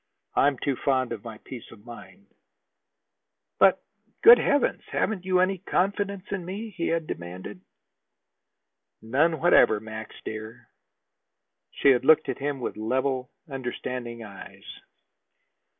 I'm too fond of my peace of mind." "But, good Heavens! haven't you any confidence in me?" he had demanded. "None whatever, Max dear." She had looked at him with level, understanding eyes.